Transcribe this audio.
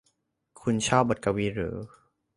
คุณชอบบทกวีหรือ